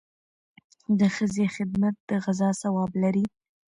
د ښځې خدمت د غزا ثواب لري.